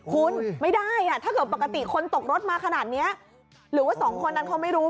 คุณไม่ได้อ่ะถ้าเกิดปกติคนตกรถมาขนาดนี้หรือว่าสองคนนั้นเขาไม่รู้